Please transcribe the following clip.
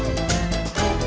teganya teganya teganya